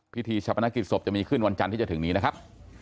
พิธีชะพนักกิจศพจะมีขึ้นวันจันทร์ที่จะถึงนี้นะครับ